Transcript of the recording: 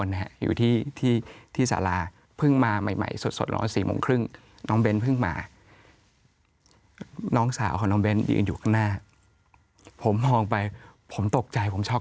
เฮ้ยมาผิดงานหรือเปล่าเฮ้ยเกิดอะไรอะไรแบบช็อก